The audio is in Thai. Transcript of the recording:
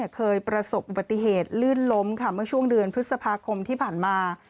เคยประสบอุบัติเหตุลื่นล้มค่ะเมื่อช่วงเดือนพฤษภาคมที่ผ่านมา